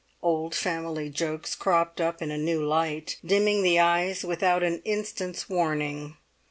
Old family jokes cropped up in a new light, dimming the eyes without an instant's warning.